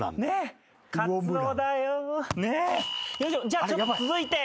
じゃあちょっと続いて。